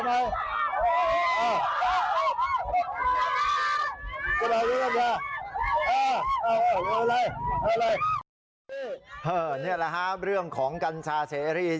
เนี่ยแหละฮะเรื่องของกัญชาเสรี